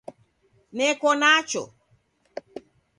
Neko nacho.